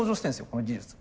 この技術。